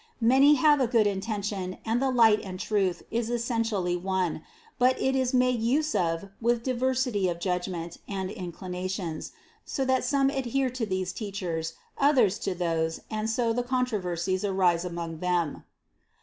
Many have a good in tention and the light and truth is essentially one, but it is made use of with diversity of judgment and inclina tions, so that some adhere to these teachers, others to those and so the controversies arise among them."